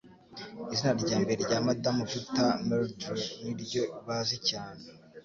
Izina Ryambere rya Madamu Victor Meldrew niryo bazi cyane